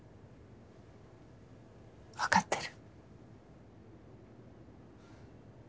分かってる。